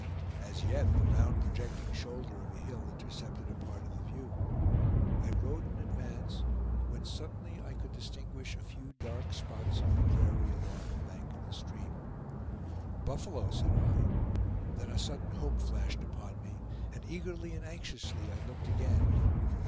As yet, the round projecting shoulder of a hill intercepted a part of the view. I rode in advance, when suddenly I could distinguish a few dark spots on the prairie, along the bank of the stream. "Buffalo!" said I. Then a sudden hope flashed upon me, and eagerly and anxiously I looked again.